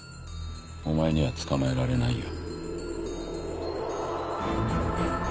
お前には捕まえられないよ。